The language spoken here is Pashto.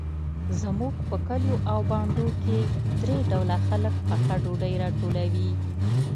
زموږ په کلیو او بانډو کې درې ډوله خلک پخه ډوډۍ راټولوي.